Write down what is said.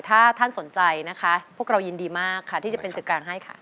ถ้าท่านสนใจนะคะพวกเรายินดีมากค่ะที่จะเป็นสื่อกลางให้ค่ะ